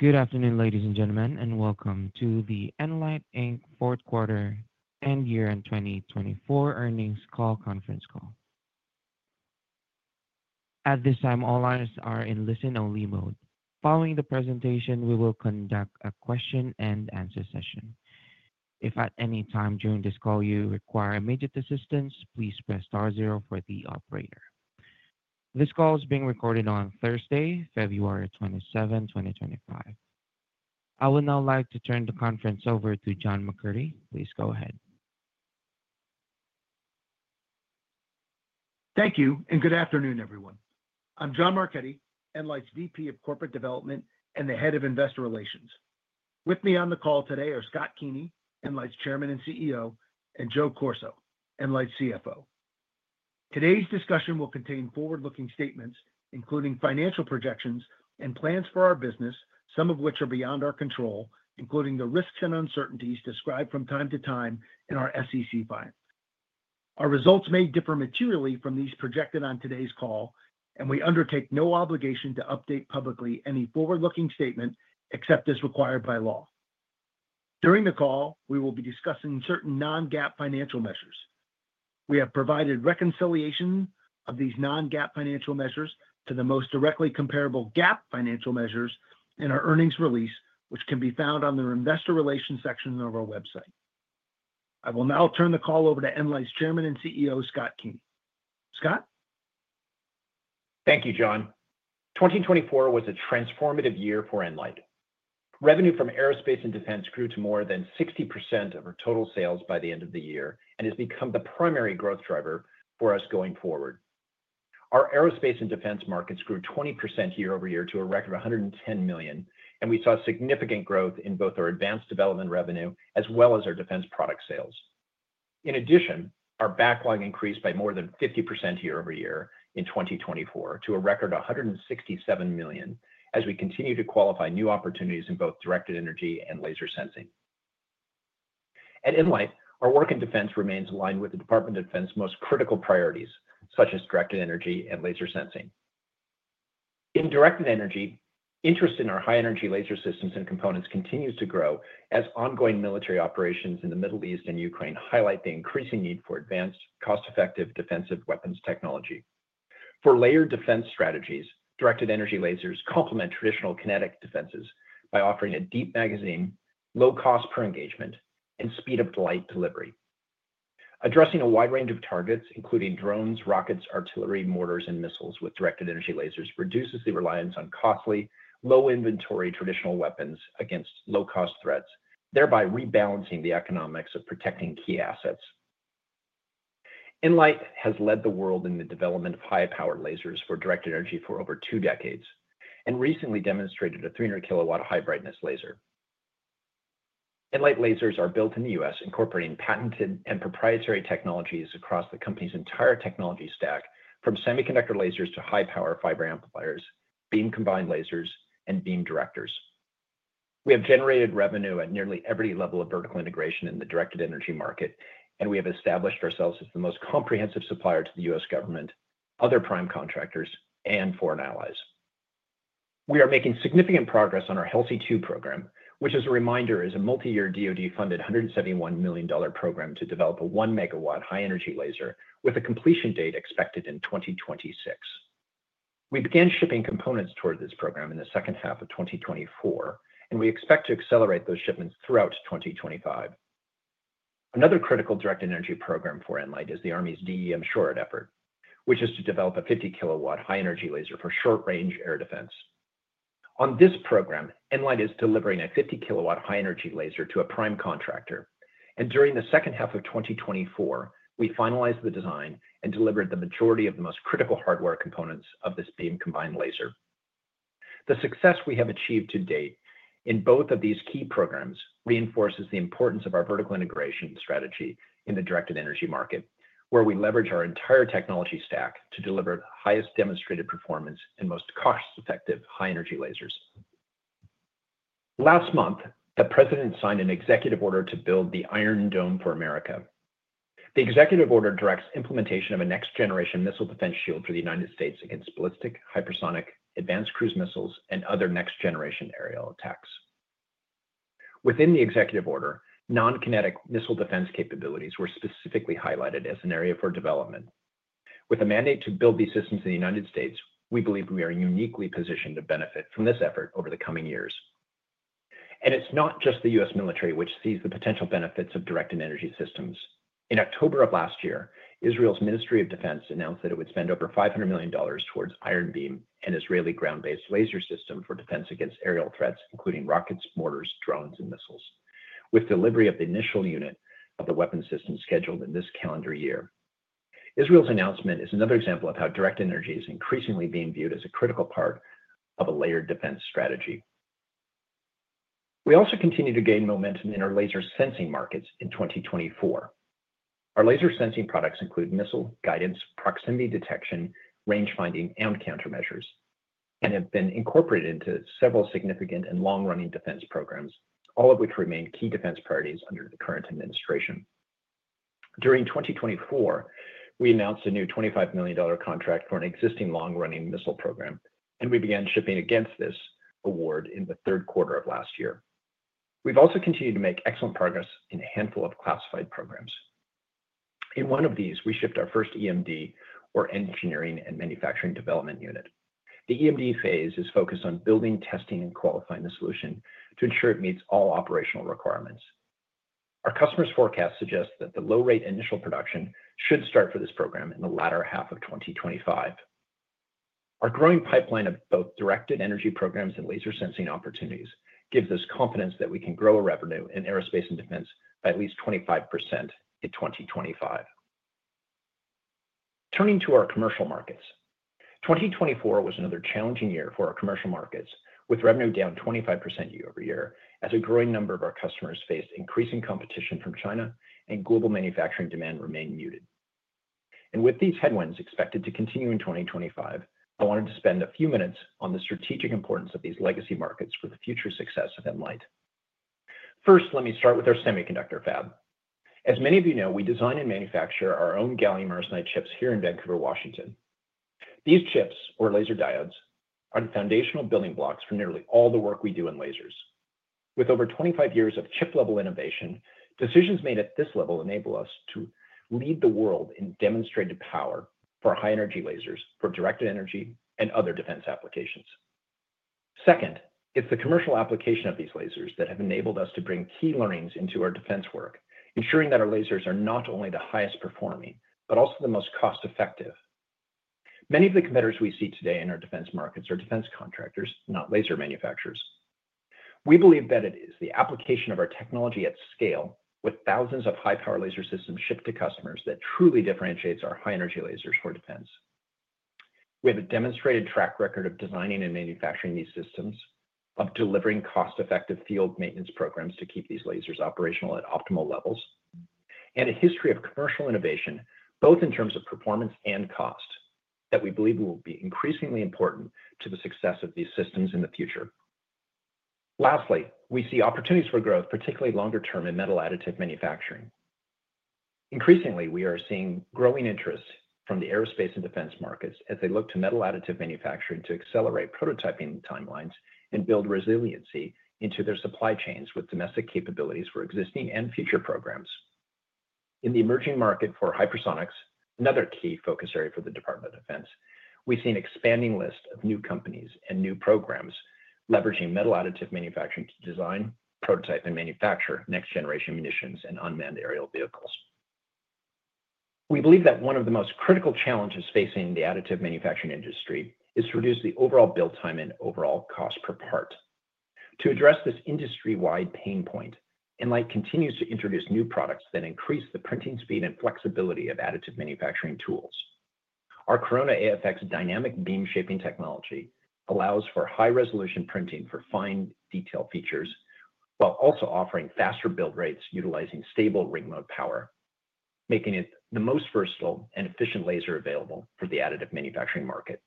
Good afternoon, ladies and gentlemen, and welcome to the nLIGHT Fourth Quarter and Year End 2024 Earnings Call Conference Call. At this time, all lines are in listen-only mode. Following the presentation, we will conduct a question-and-answer session. If at any time during this call you require immediate assistance, please press star zero for the operator. This call is being recorded on Thursday, February 27, 2025. I would now like to turn the conference over to John Marchetti. Please go ahead. Thank you, and good afternoon, everyone. I'm John Marchetti, nLIGHT's VP of Corporate Development and the Head of Investor Relations. With me on the call today are Scott Keeney, nLIGHT's Chairman and CEO, and Joe Corso, nLIGHT's CFO. Today's discussion will contain forward-looking statements, including financial projections and plans for our business, some of which are beyond our control, including the risks and uncertainties described from time to time in our SEC filing. Our results may differ materially from those projected on today's call, and we undertake no obligation to update publicly any forward-looking statement except as required by law. During the call, we will be discussing certain non-GAAP financial measures. We have provided reconciliation of these non-GAAP financial measures to the most directly comparable GAAP financial measures in our earnings release, which can be found on the Investor Relations section of our website. I will now turn the call over to nLIGHT's Chairman and CEO, Scott Keeney. Scott? Thank you, John. 2024 was a transformative year for nLIGHT. Revenue from aerospace and defense grew to more than 60% of our total sales by the end of the year and has become the primary growth driver for us going forward. Our aerospace and defense markets grew 20% year over year to a record of $110 million, and we saw significant growth in both our advanced development revenue as well as our defense product sales. In addition, our backlog increased by more than 50% year over year in 2024 to a record of $167 million as we continue to qualify new opportunities in both directed energy and laser sensing. At nLIGHT, our work in defense remains aligned with the Department of Defense's most critical priorities, such as directed energy and laser sensing. In Directed Energy, interest in our high-energy laser systems and components continues to grow as ongoing military operations in the Middle East and Ukraine highlight the increasing need for advanced, cost-effective defensive weapons technology. For layered defense strategies, directed energy lasers complement traditional kinetic defenses by offering a deep magazine, low cost per engagement, and speed of light delivery. Addressing a wide range of targets, including drones, rockets, artillery, mortars, and missiles with directed energy lasers, reduces the reliance on costly, low-inventory traditional weapons against low-cost threats, thereby rebalancing the economics of protecting key assets. nLIGHT has led the world in the development of high-power lasers for directed energy for over two decades and recently demonstrated a 300 kW high-brightness laser. nLIGHT lasers are built in the U.S., incorporating patented and proprietary technologies across the company's entire technology stack, from semiconductor lasers to high-power fiber amplifiers, beam-combined lasers, and beam directors. We have generated revenue at nearly every level of vertical integration in the directed energy market, and we have established ourselves as the most comprehensive supplier to the U.S. government, other prime contractors, and foreign allies. We are making significant progress on our HELSI-2 program, which, as a reminder, is a multi-year DOD-funded $171 million program to develop a 1 MW high-energy laser with a completion date expected in 2026. We began shipping components toward this program in the second half of 2024, and we expect to accelerate those shipments throughout 2025. Another critical directed energy program for nLIGHT is the Army's DE M-SHORAD effort, which is to develop a 50 kW high-energy laser for short-range air defense. On this program, nLIGHT is delivering a 50 kW high-energy laser to a prime contractor, and during the second half of 2024, we finalized the design and delivered the majority of the most critical hardware components of this beam-combined laser. The success we have achieved to date in both of these key programs reinforces the importance of our vertical integration strategy in the directed energy market, where we leverage our entire technology stack to deliver the highest demonstrated performance and most cost-effective high-energy lasers. Last month, the President signed an executive order to build the Iron Dome for America. The executive order directs implementation of a next-generation missile defense shield for the United States against ballistic, hypersonic, advanced cruise missiles, and other next-generation aerial attacks. Within the executive order, non-kinetic missile defense capabilities were specifically highlighted as an area for development. With a mandate to build these systems in the United States, we believe we are uniquely positioned to benefit from this effort over the coming years. It is not just the U.S. military which sees the potential benefits of directed energy systems. In October of last year, Israel's Ministry of Defense announced that it would spend over $500 million towards Iron Beam and Israeli ground-based laser systems for defense against aerial threats, including rockets, mortars, drones, and missiles, with delivery of the initial unit of the weapon systems scheduled in this calendar year. Israel's announcement is another example of how directed energy is increasingly being viewed as a critical part of a layered defense strategy. We also continue to gain momentum in our laser sensing markets in 2024. Our laser sensing products include missile guidance, proximity detection, range finding, and countermeasures, and have been incorporated into several significant and long-running defense programs, all of which remain key defense priorities under the current administration. During 2024, we announced a new $25 million contract for an existing long-running missile program, and we began shipping against this award in the third quarter of last year. We've also continued to make excellent progress in a handful of classified programs. In one of these, we shipped our first EMD, or Engineering and Manufacturing Development Unit. The EMD phase is focused on building, testing, and qualifying the solution to ensure it meets all operational requirements. Our customers' forecast suggests that the low-rate initial production should start for this program in the latter half of 2025. Our growing pipeline of both directed energy programs and laser sensing opportunities gives us confidence that we can grow our revenue in aerospace and defense by at least 25% in 2025. Turning to our commercial markets, 2024 was another challenging year for our commercial markets, with revenue down 25% year over year as a growing number of our customers faced increasing competition from China and global manufacturing demand remained muted. With these headwinds expected to continue in 2025, I wanted to spend a few minutes on the strategic importance of these legacy markets for the future success of nLIGHT. First, let me start with our semiconductor fab. As many of you know, we design and manufacture our own gallium-arsenide chips here in Vancouver, Washington. These chips, or laser diodes, are the foundational building blocks for nearly all the work we do in lasers. With over 25 years of chip-level innovation, decisions made at this level enable us to lead the world in demonstrated power for high-energy lasers for directed energy and other defense applications. Second, it's the commercial application of these lasers that have enabled us to bring key learnings into our defense work, ensuring that our lasers are not only the highest performing, but also the most cost-effective. Many of the competitors we see today in our defense markets are defense contractors, not laser manufacturers. We believe that it is the application of our technology at scale, with thousands of high-power laser systems shipped to customers, that truly differentiates our high-energy lasers for defense. We have a demonstrated track record of designing and manufacturing these systems, of delivering cost-effective field maintenance programs to keep these lasers operational at optimal levels, and a history of commercial innovation, both in terms of performance and cost, that we believe will be increasingly important to the success of these systems in the future. Lastly, we see opportunities for growth, particularly longer-term in metal additive manufacturing. Increasingly, we are seeing growing interest from the aerospace and defense markets as they look to metal additive manufacturing to accelerate prototyping timelines and build resiliency into their supply chains with domestic capabilities for existing and future programs. In the emerging market for hypersonics, another key focus area for the Department of Defense, we see an expanding list of new companies and new programs leveraging metal additive manufacturing to design, prototype, and manufacture next-generation munitions and unmanned aerial vehicles. We believe that one of the most critical challenges facing the additive manufacturing industry is to reduce the overall build time and overall cost per part. To address this industry-wide pain point, nLIGHT continues to introduce new products that increase the printing speed and flexibility of additive manufacturing tools. Our Corona AFX dynamic beam shaping technology allows for high-resolution printing for fine detail features while also offering faster build rates utilizing stable ring mode power, making it the most versatile and efficient laser available for the additive manufacturing market.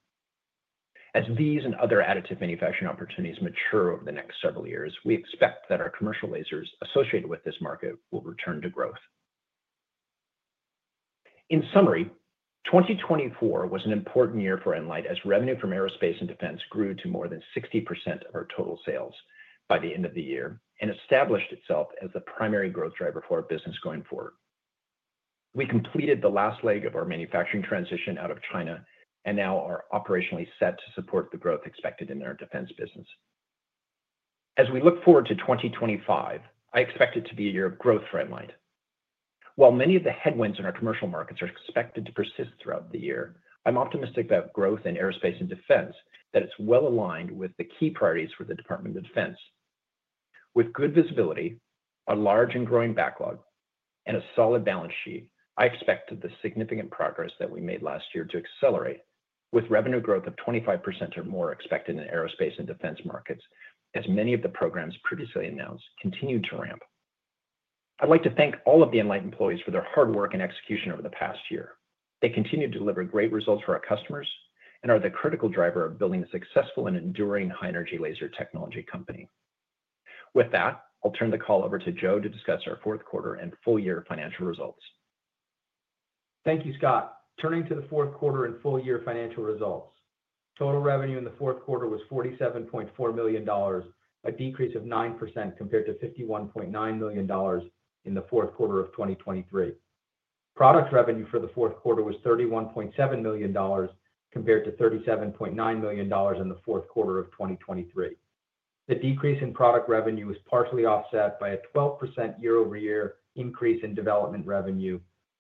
As these and other additive manufacturing opportunities mature over the next several years, we expect that our commercial lasers associated with this market will return to growth. In summary, 2024 was an important year for nLIGHT as revenue from aerospace and defense grew to more than 60% of our total sales by the end of the year and established itself as the primary growth driver for our business going forward. We completed the last leg of our manufacturing transition out of China and now are operationally set to support the growth expected in our defense business. As we look forward to 2025, I expect it to be a year of growth for nLIGHT. While many of the headwinds in our commercial markets are expected to persist throughout the year, I'm optimistic about growth in aerospace and defense that is well aligned with the key priorities for the Department of Defense. With good visibility, a large and growing backlog, and a solid balance sheet, I expect the significant progress that we made last year to accelerate, with revenue growth of 25% or more expected in aerospace and defense markets, as many of the programs previously announced continued to ramp. I'd like to thank all of the nLIGHT employees for their hard work and execution over the past year. They continue to deliver great results for our customers and are the critical driver of building a successful and enduring high-energy laser technology company. With that, I'll turn the call over to Joe to discuss our fourth quarter and full-year financial results. Thank you, Scott. Turning to the fourth quarter and full-year financial results, total revenue in the fourth quarter was $47.4 million, a decrease of 9% compared to $51.9 million in the fourth quarter of 2023. Product revenue for the fourth quarter was $31.7 million compared to $37.9 million in the fourth quarter of 2023. The decrease in product revenue was partially offset by a 12% year-over-year increase in development revenue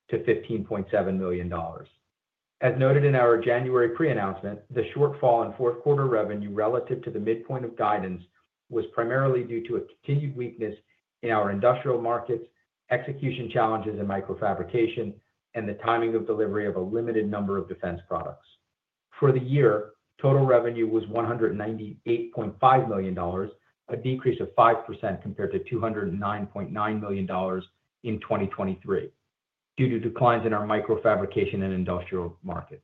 to $15.7 million. As noted in our January pre-announcement, the shortfall in fourth quarter revenue relative to the midpoint of guidance was primarily due to a continued weakness in our industrial markets, execution challenges in microfabrication, and the timing of delivery of a limited number of defense products. For the year, total revenue was $198.5 million, a decrease of 5% compared to $209.9 million in 2023 due to declines in our microfabrication and industrial markets.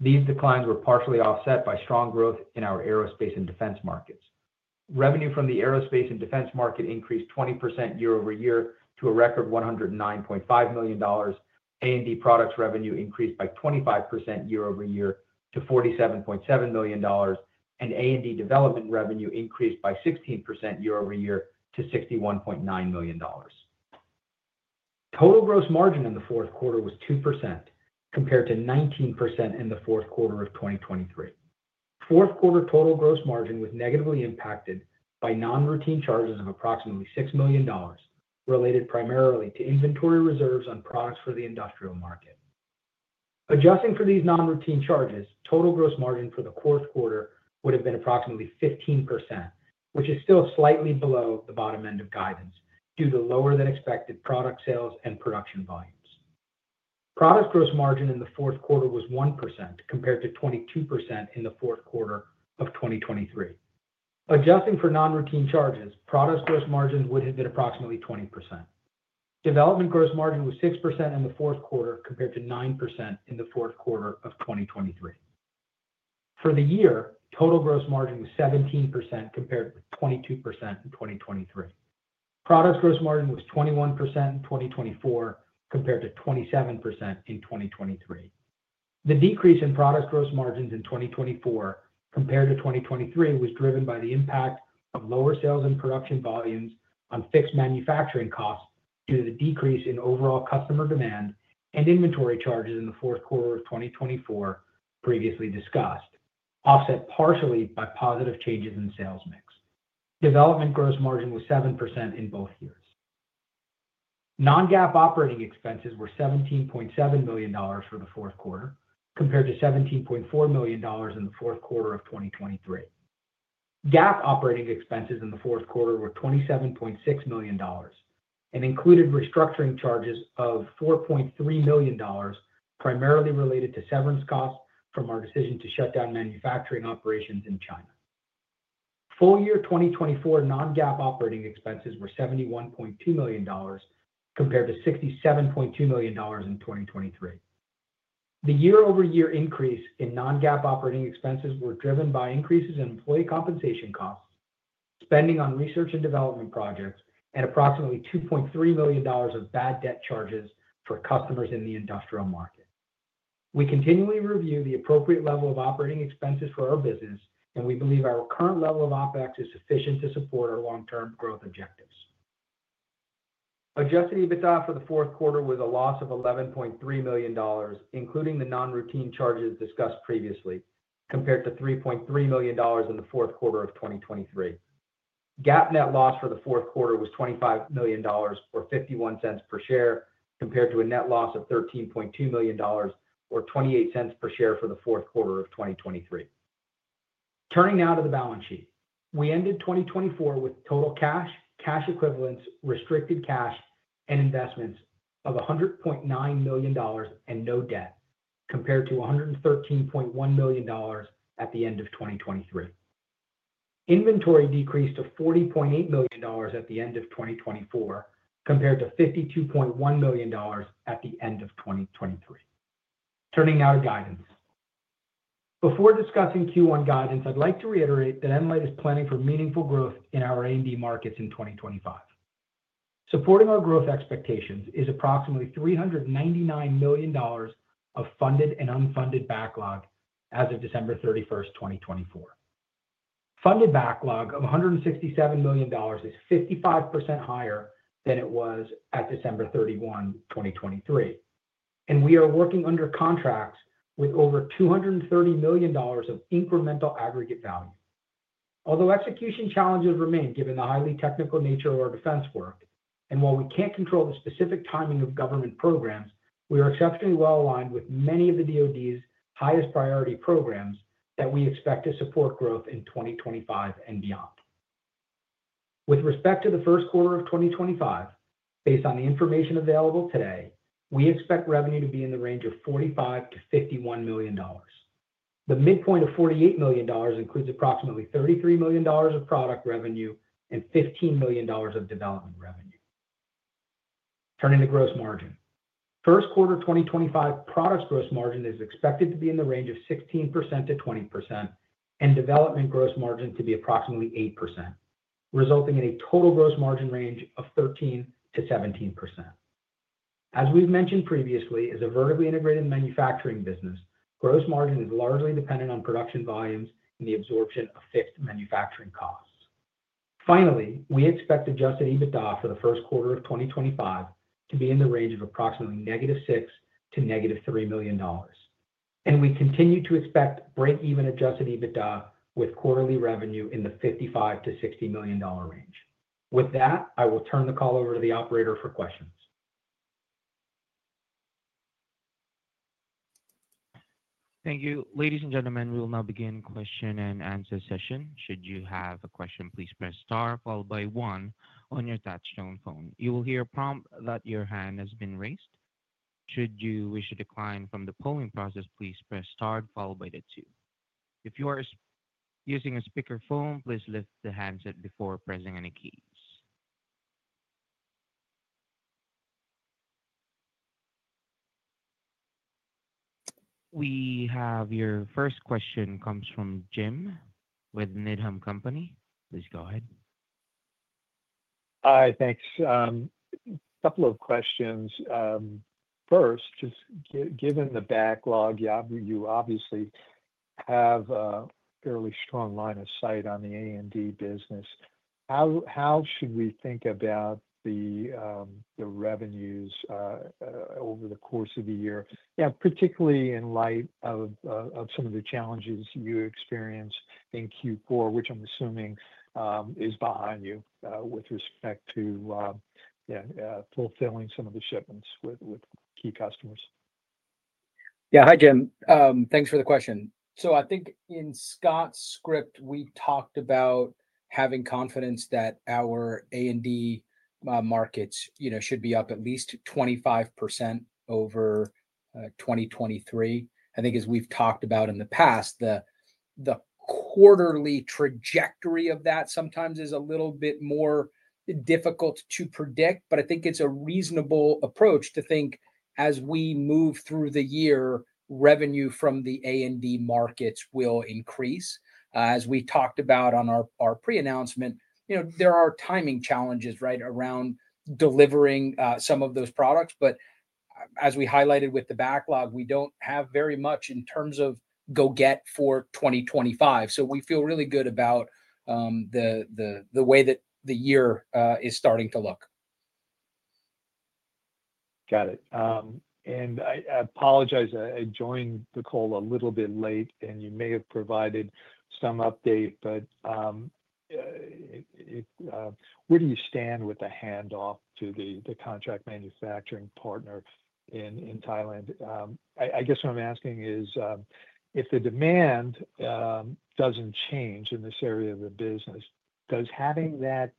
These declines were partially offset by strong growth in our aerospace and defense markets. Revenue from the aerospace and defense market increased 20% year-over-year to a record $109.5 million. A&D products revenue increased by 25% year-over-year to $47.7 million, and A&D development revenue increased by 16% year-over-year to $61.9 million. Total gross margin in the fourth quarter was 2% compared to 19% in the fourth quarter of 2023. Fourth quarter total gross margin was negatively impacted by non-routine charges of approximately $6 million, related primarily to inventory reserves on products for the industrial market. Adjusting for these non-routine charges, total gross margin for the fourth quarter would have been approximately 15%, which is still slightly below the bottom end of guidance due to lower-than-expected product sales and production volumes. Product gross margin in the fourth quarter was 1% compared to 22% in the fourth quarter of 2023. Adjusting for non-routine charges, product gross margin would have been approximately 20%. Development gross margin was 6% in the fourth quarter compared to 9% in the fourth quarter of 2023. For the year, total gross margin was 17% compared with 22% in 2023. Product gross margin was 21% in 2024 compared to 27% in 2023. The decrease in product gross margins in 2024 compared to 2023 was driven by the impact of lower sales and production volumes on fixed manufacturing costs due to the decrease in overall customer demand and inventory charges in the fourth quarter of 2024, previously discussed, offset partially by positive changes in sales mix. Development gross margin was 7% in both years. Non-GAAP operating expenses were $17.7 million for the fourth quarter compared to $17.4 million in the fourth quarter of 2023. GAAP operating expenses in the fourth quarter were $27.6 million and included restructuring charges of $4.3 million, primarily related to severance costs from our decision to shut down manufacturing operations in China. Full-year 2024 non-GAAP operating expenses were $71.2 million compared to $67.2 million in 2023. The year-over-year increase in non-GAAP operating expenses was driven by increases in employee compensation costs, spending on research and development projects, and approximately $2.3 million of bad debt charges for customers in the industrial market. We continually review the appropriate level of operating expenses for our business, and we believe our current level of OpEx is sufficient to support our long-term growth objectives. Adjusted EBITDA for the fourth quarter was a loss of $11.3 million, including the non-routine charges discussed previously, compared to $3.3 million in the fourth quarter of 2023. GAAP net loss for the fourth quarter was $25 million, or $0.51 per share, compared to a net loss of $13.2 million, or $0.28 per share for the fourth quarter of 2023. Turning now to the balance sheet, we ended 2024 with total cash, cash equivalents, restricted cash, and investments of $100.9 million and no debt, compared to $113.1 million at the end of 2023. Inventory decreased to $40.8 million at the end of 2024, compared to $52.1 million at the end of 2023. Turning now to guidance. Before discussing Q1 guidance, I'd like to reiterate that nLIGHT is planning for meaningful growth in our A&D markets in 2025. Supporting our growth expectations is approximately $399 million of funded and unfunded backlog as of December 31, 2024. Funded backlog of $167 million is 55% higher than it was at December 31, 2023. We are working under contracts with over $230 million of incremental aggregate value. Although execution challenges remain given the highly technical nature of our defense work, and while we can't control the specific timing of government programs, we are exceptionally well aligned with many of the DOD's highest priority programs that we expect to support growth in 2025 and beyond. With respect to the first quarter of 2025, based on the information available today, we expect revenue to be in the range of $45 million-$51 million. The midpoint of $48 million includes approximately $33 million of product revenue and $15 million of development revenue. Turning to gross margin, first quarter 2025 products gross margin is expected to be in the range of 16%-20%, and development gross margin to be approximately 8%, resulting in a total gross margin range of 13%-17%. As we've mentioned previously, as a vertically integrated manufacturing business, gross margin is largely dependent on production volumes and the absorption of fixed manufacturing costs. Finally, we expect adjusted EBITDA for the first quarter of 2025 to be in the range of approximately negative $6 million to negative $3 million. We continue to expect break-even adjusted EBITDA with quarterly revenue in the $55 million-$60 million range. With that, I will turn the call over to the operator for questions. Thank you. Ladies and gentlemen, we will now begin question and answer session. Should you have a question, please press star followed by one on your touch-tone phone. You will hear a prompt that your hand has been raised. Should you wish to decline from the polling process, please press star followed by two. If you are using a speakerphone, please lift the handset before pressing any keys. We have your first question comes from Jim with Needham & Company. Please go ahead. Hi, thanks. A couple of questions. First, just given the backlog, you obviously have a fairly strong line of sight on the A&D business. How should we think about the revenues over the course of the year? Yeah, particularly in light of some of the challenges you experienced in Q4, which I'm assuming is behind you with respect to fulfilling some of the shipments with key customers. Yeah, hi, Jim. Thanks for the question. I think in Scott's script, we talked about having confidence that our A&D markets should be up at least 25% over 2023. I think as we've talked about in the past, the quarterly trajectory of that sometimes is a little bit more difficult to predict, but I think it's a reasonable approach to think as we move through the year, revenue from the A&D markets will increase. As we talked about on our pre-announcement, there are timing challenges right around delivering some of those products, but as we highlighted with the backlog, we don't have very much in terms of go get for 2025. We feel really good about the way that the year is starting to look. Got it. I apologize. I joined the call a little bit late, and you may have provided some update, but where do you stand with the handoff to the contract manufacturing partner in Thailand? I guess what I'm asking is, if the demand doesn't change in this area of the business, does having that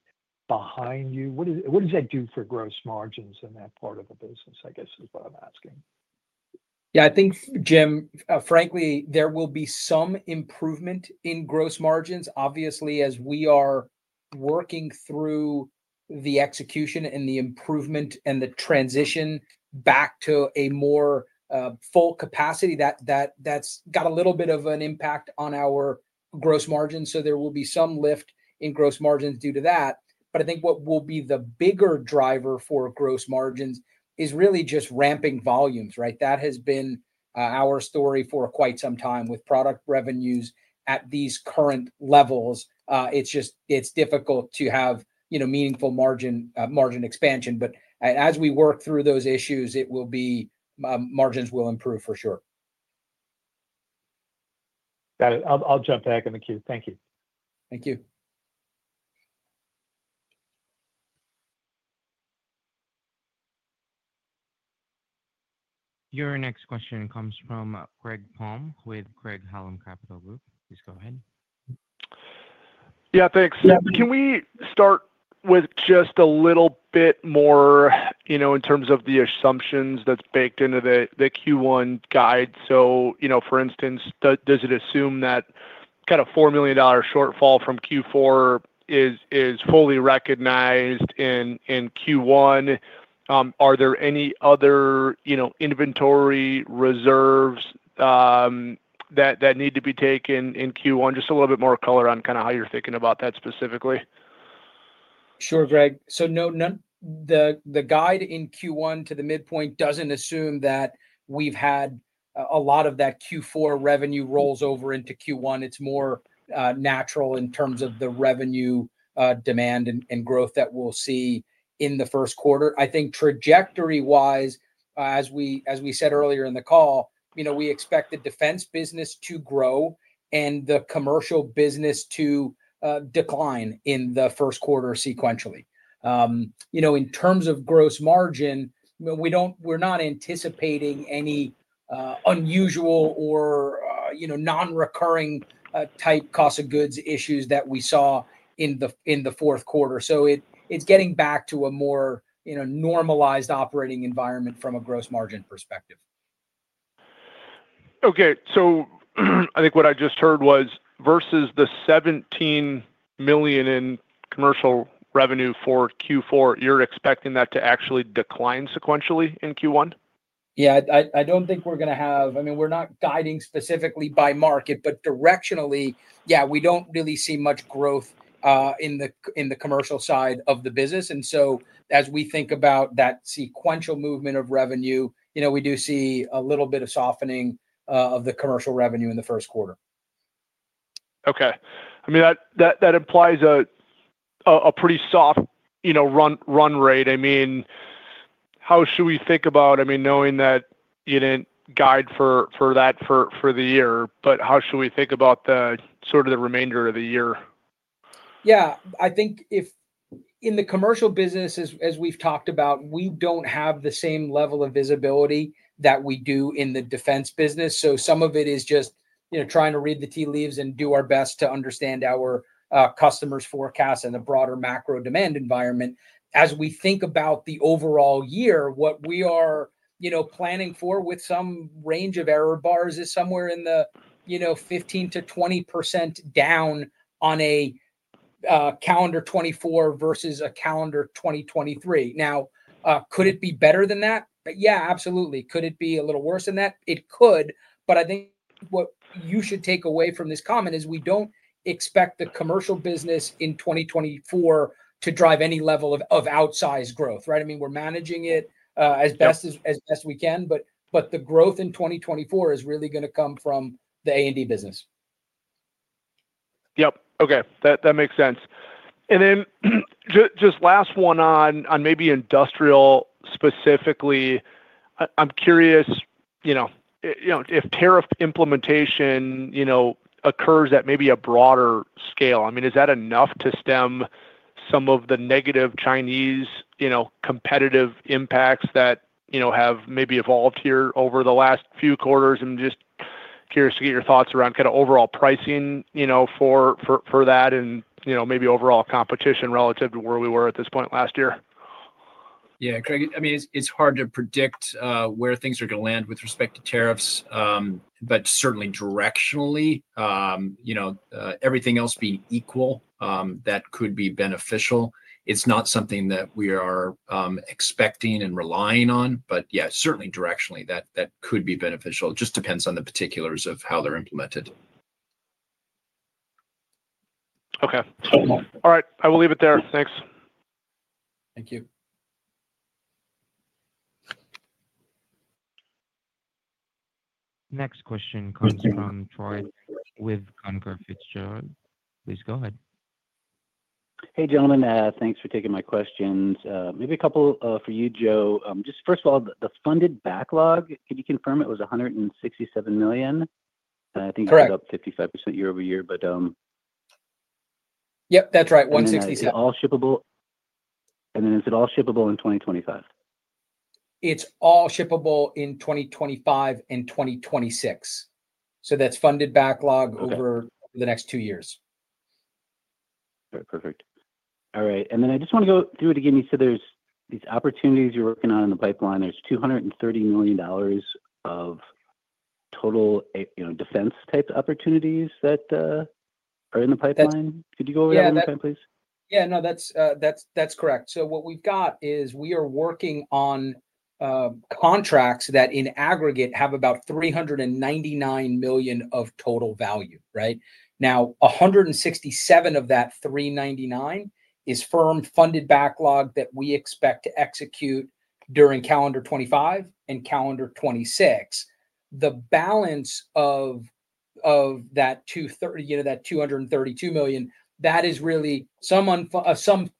behind you, what does that do for gross margins in that part of the business, I guess, is what I'm asking? Yeah, I think, Jim, frankly, there will be some improvement in gross margins. Obviously, as we are working through the execution and the improvement and the transition back to a more full capacity, that's got a little bit of an impact on our gross margins. There will be some lift in gross margins due to that. I think what will be the bigger driver for gross margins is really just ramping volumes, right? That has been our story for quite some time with product revenues at these current levels. It's difficult to have meaningful margin expansion, but as we work through those issues, margins will improve for sure. Got it. I'll jump back in the queue. Thank you. Thank you. Your next question comes from Greg Palm with Craig-Hallum Capital Group. Please go ahead. Yeah, thanks. Can we start with just a little bit more in terms of the assumptions that's baked into the Q1 guide? For instance, does it assume that kind of $4 million shortfall from Q4 is fully recognized in Q1? Are there any other inventory reserves that need to be taken in Q1? Just a little bit more color on kind of how you're thinking about that specifically. Sure, Greg. No, the guide in Q1 to the midpoint does not assume that we have had a lot of that Q4 revenue roll over into Q1. It is more natural in terms of the revenue demand and growth that we will see in the first quarter. I think trajectory-wise, as we said earlier in the call, we expect the defense business to grow and the commercial business to decline in the first quarter sequentially. In terms of gross margin, we are not anticipating any unusual or non-recurring type cost of goods issues that we saw in the fourth quarter. It is getting back to a more normalized operating environment from a gross margin perspective. Okay. I think what I just heard was versus the $17 million in commercial revenue for Q4, you're expecting that to actually decline sequentially in Q1? Yeah, I don't think we're going to have, I mean, we're not guiding specifically by market, but directionally, yeah, we don't really see much growth in the commercial side of the business. As we think about that sequential movement of revenue, we do see a little bit of softening of the commercial revenue in the first quarter. Okay. I mean, that implies a pretty soft run rate. I mean, how should we think about, I mean, knowing that you didn't guide for that for the year, but how should we think about sort of the remainder of the year? Yeah. I think in the commercial business, as we've talked about, we don't have the same level of visibility that we do in the defense business. Some of it is just trying to read the tea leaves and do our best to understand our customers' forecasts and the broader macro demand environment. As we think about the overall year, what we are planning for with some range of error bars is somewhere in the 15%-20% down on a calendar 2024 versus a calendar 2023. Now, could it be better than that? Yeah, absolutely. Could it be a little worse than that? It could, but I think what you should take away from this comment is we don't expect the commercial business in 2024 to drive any level of outsized growth, right? I mean, we're managing it as best as we can, but the growth in 2024 is really going to come from the A&D business. Yep. Okay. That makes sense. Just last one on maybe industrial specifically, I'm curious if tariff implementation occurs at maybe a broader scale. I mean, is that enough to stem some of the negative Chinese competitive impacts that have maybe evolved here over the last few quarters? I'm just curious to get your thoughts around kind of overall pricing for that and maybe overall competition relative to where we were at this point last year. Yeah, Greg, I mean, it's hard to predict where things are going to land with respect to tariffs, but certainly directionally, everything else being equal, that could be beneficial. It's not something that we are expecting and relying on, but yeah, certainly directionally, that could be beneficial. It just depends on the particulars of how they're implemented. Okay. All right. I will leave it there. Thanks. Thank you. Next question comes from Troy with Cantor Fitzgerald. Please go ahead. Hey, gentlemen, thanks for taking my questions. Maybe a couple for you, Joe. Just first of all, the funded backlog, could you confirm it was $167 million? I think it was up 55% year over year, but-- Yep, that's right. $167 million-- Is it all shippable? Is it all shippable in 2025? It's all shippable in 2025 and 2026. That's funded backlog over the next two years. All right. Perfect. All right. I just want to go through it again. You said there's these opportunities you're working on in the pipeline. There's $230 million of total defense-type opportunities that are in the pipeline. Could you go over that one more time, please? Yeah. No, that's correct. What we've got is we are working on contracts that in aggregate have about $399 million of total value, right? Now, $167 million of that $399 million is firm funded backlog that we expect to execute during calendar 2025 and calendar 2026. The balance of that $232 million, that is really some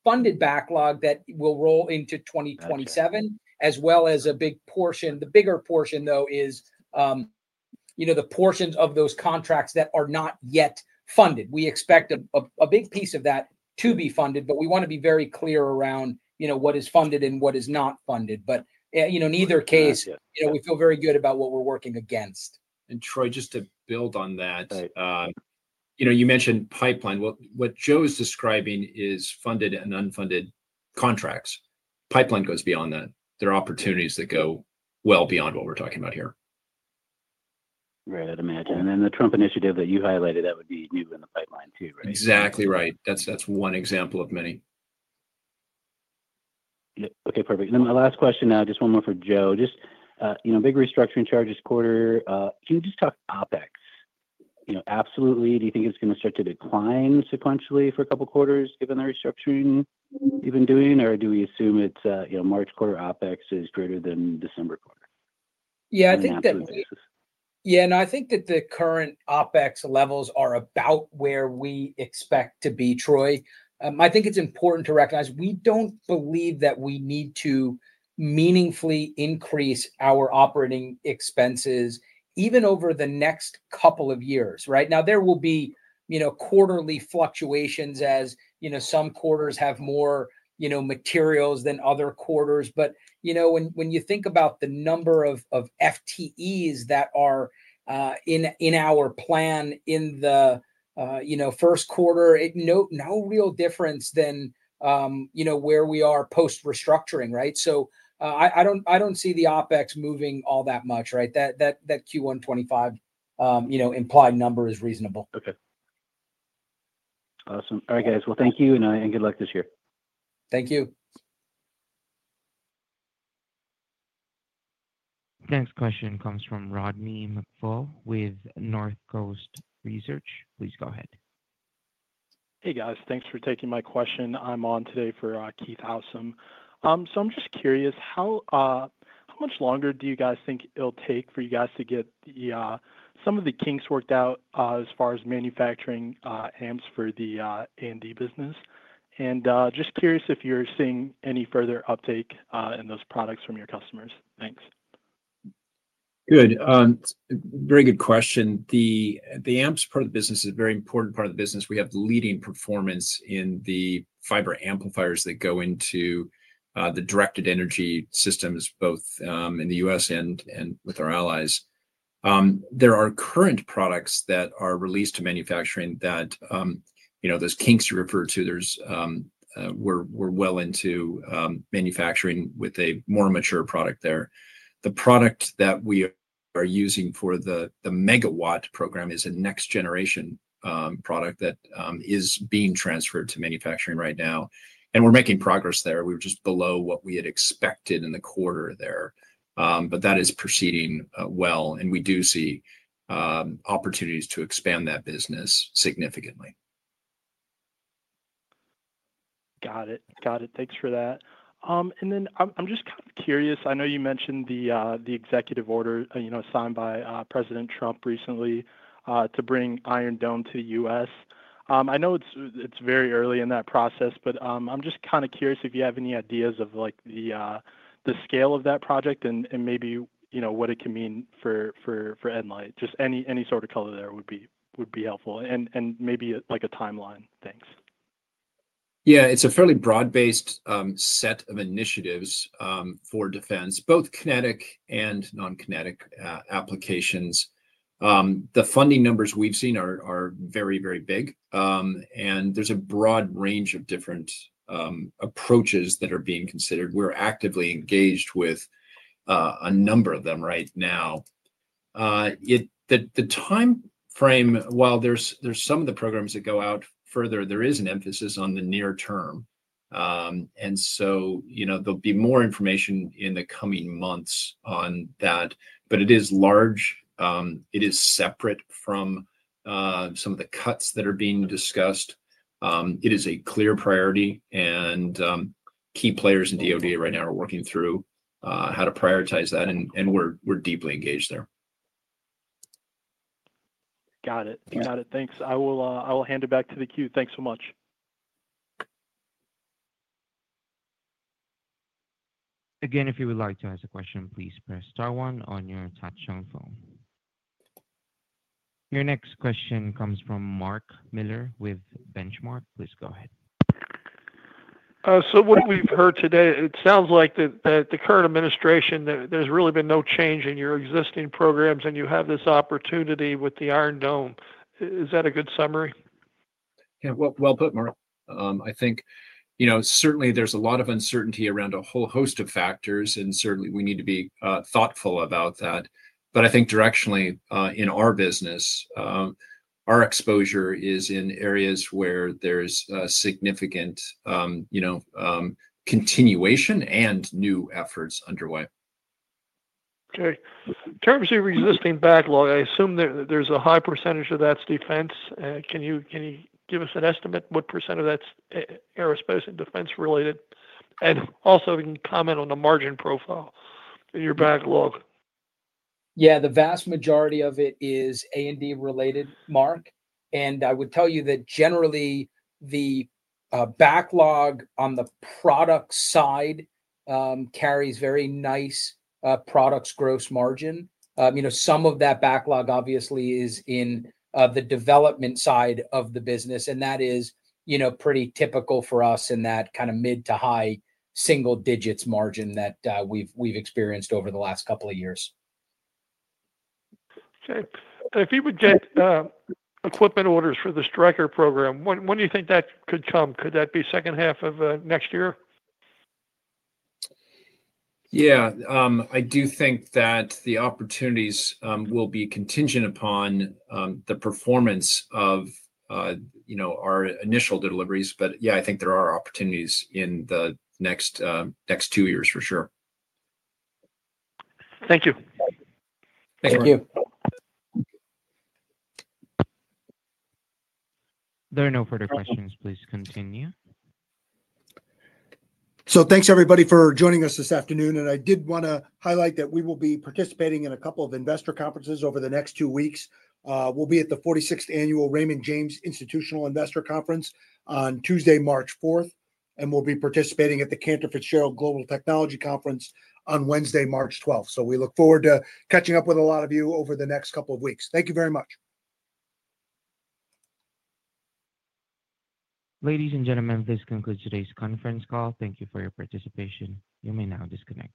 funded backlog that will roll into 2027, as well as a big portion. The bigger portion, though, is the portions of those contracts that are not yet funded. We expect a big piece of that to be funded, but we want to be very clear around what is funded and what is not funded. In either case, we feel very good about what we're working against. Troy, just to build on that, you mentioned pipeline. What Joe is describing is funded and unfunded contracts. Pipeline goes beyond that. There are opportunities that go well beyond what we're talking about here. Right. I'd imagine. The Trump initiative that you highlighted, that would be new in the pipeline too, right? Exactly right. That's one example of many. Okay. Perfect. And then my last question now, just one more for Joe. Just big restructuring charges quarter. Can you just talk OpEx? Absolutely. Do you think it's going to start to decline sequentially for a couple of quarters given the restructuring you've been doing, or do we assume it's March quarter OpEx is greater than December quarter? Yeah, I think that the current OpEx levels are about where we expect to be, Troy. I think it's important to recognize we don't believe that we need to meaningfully increase our operating expenses even over the next couple of years, right? Now, there will be quarterly fluctuations as some quarters have more materials than other quarters. When you think about the number of FTEs that are in our plan in the first quarter, no real difference than where we are post-restructuring, right? I don't see the OpEx moving all that much, right? That Q1 2025 implied number is reasonable. Okay. Awesome. All right, guys. Thank you, and good luck this year. Thank you. Next question comes from Rodney McFall with Northcoast Research. Please go ahead. Hey, guys. Thanks for taking my question. I'm on today for Keith Howson. I'm just curious, how much longer do you guys think it'll take for you guys to get some of the kinks worked out as far as manufacturing amps for the A&D business? I'm just curious if you're seeing any further uptake in those products from your customers. Thanks. Good. Very good question. The amps part of the business is a very important part of the business. We have leading performance in the fiber amplifiers that go into the directed energy systems, both in the U.S. and with our allies. There are current products that are released to manufacturing that those kinks you referred to, we're well into manufacturing with a more mature product there. The product that we are using for the megawatt program is a next-generation product that is being transferred to manufacturing right now. We are making progress there. We were just below what we had expected in the quarter there. That is proceeding well, and we do see opportunities to expand that business significantly. Got it. Thanks for that. I know you mentioned the executive order signed by President Trump recently to bring Iron Dome to the U.S. I know it is very early in that process, but I am just kind of curious if you have any ideas of the scale of that project and maybe what it can mean for nLIGHT. Just any sort of color there would be helpful. Maybe a timeline. Thanks. Yeah. It's a fairly broad-based set of initiatives for defense, both kinetic and non-kinetic applications. The funding numbers we've seen are very, very big. There's a broad range of different approaches that are being considered. We're actively engaged with a number of them right now. The time frame, while there's some of the programs that go out further, there is an emphasis on the near term. There'll be more information in the coming months on that. It is large. It is separate from some of the cuts that are being discussed. It is a clear priority, and key players in DOD right now are working through how to prioritize that, and we're deeply engaged there. Got it. Thanks. I will hand it back to the queue. Thanks so much. Again, if you would like to ask a question, please press star one on your touch-tone phone. Your next question comes from Mark Miller with The Benchmark Company. Please go ahead. What we've heard today, it sounds like the current administration, there's really been no change in your existing programs, and you have this opportunity with the Iron Dome. Is that a good summary? Mark. I think certainly there's a lot of uncertainty around a whole host of factors, and certainly we need to be thoughtful about that. I think directionally in our business, our exposure is in areas where there's significant continuation and new efforts underway. Okay. In terms of existing backlog, I assume there's a high percentage of that's defense. Can you give us an estimate what percent of that's aerospace and defense-related? Also, we can comment on the margin profile in your backlog. Yeah. The vast majority of it is A&D-related, Mark. I would tell you that generally, the backlog on the product side carries very nice products gross margin. Some of that backlog, obviously, is in the development side of the business, and that is pretty typical for us in that kind of mid to high single-digits margin that we've experienced over the last couple of years. Okay. If you would get equipment orders for the Stryker program, when do you think that could come? Could that be second half of next year? Yeah. I do think that the opportunities will be contingent upon the performance of our initial deliveries. Yeah, I think there are opportunities in the next two years for sure. Thank you. Thank you. There are no further questions. Please continue. Thanks, everybody, for joining us this afternoon. I did want to highlight that we will be participating in a couple of investor conferences over the next two weeks. We'll be at the 46th Annual Raymond James Institutional Investor Conference on Tuesday, March 4th, and we'll be participating at the Cantor Fitzgerald Global Technology Conference on Wednesday, March 12th. We look forward to catching up with a lot of you over the next couple of weeks. Thank you very much. Ladies and gentlemen, this concludes today's conference call. Thank you for your participation. You may now disconnect.